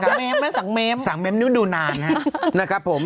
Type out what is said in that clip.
ก็ไม่อยากให้มันเจ็บ